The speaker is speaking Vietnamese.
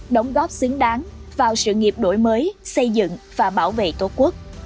đóng góp xứng đáng vào sự nghiệp đổi mới xây dựng và bảo vệ tổ quốc